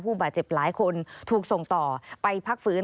บาดเจ็บหลายคนถูกส่งต่อไปพักฟื้น